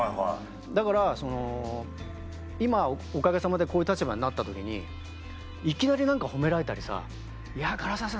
だからその今おかげさまでこういう立場になった時にいきなり何か褒められたりさ「唐沢さん